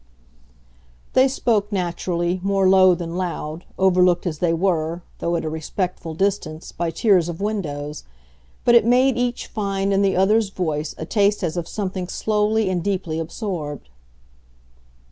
They spoke, naturally, more low than loud, overlooked as they were, though at a respectful distance, by tiers of windows; but it made each find in the other's voice a taste as of something slowly and deeply absorbed.